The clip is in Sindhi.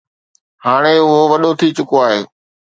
هاڻي اهو وڏو ٿي چڪو آهي